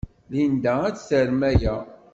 Linda ad tarem aya.